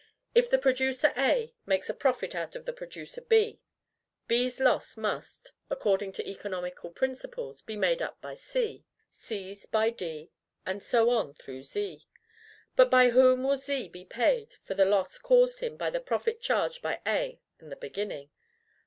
If the producer A makes a profit out of the producer B. B's loss must, according to economical principles, be made up by C, C's by D; and so on through to Z. But by whom will Z be paid for the loss caused him by the profit charged by A in the beginning?